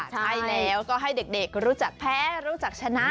ใช่แล้วก็ให้เด็กรู้จักแพ้รู้จักชนะ